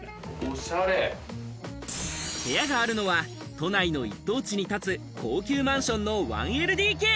部屋があるのは都内の一等地に建つ、高級マンションの１ＬＤＫ。